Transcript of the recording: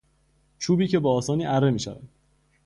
چوبی که به آسانی اره میشود